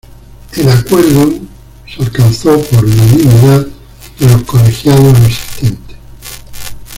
El acuerdo se alcanzó por unanimidad de los colegiados asistentes.